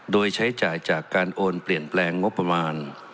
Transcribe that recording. โดยใช้จ่ายจากการโอนเปลี่ยนแปลงงบประมาณ